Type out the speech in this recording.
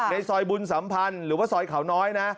ในซอยบุญสัมพันธ์หรือว่าซอยเขาน้อยนะ